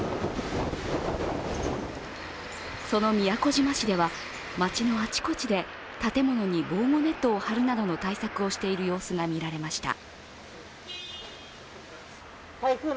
その宮古島市では、街のあちこちで建物に防護ネットを張るなどの対策をしている様子がみられました。